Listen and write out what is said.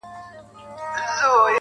چي تا تر دې لا هم ښايسته كي گراني,